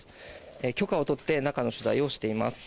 許可を取って中の取材をしています。